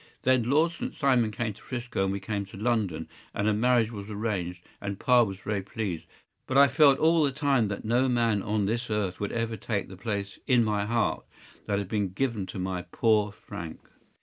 Then Lord St. Simon came to ’Frisco, and we came to London, and a marriage was arranged, and pa was very pleased, but I felt all the time that no man on this earth would ever take the place in my heart that had been given to my poor Frank.